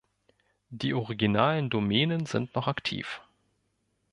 Die originalen Domänen sind noch aktiv.